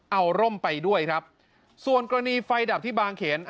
เอาร่มไปด้วยครับส่วนกรณีไฟดับที่บางเขน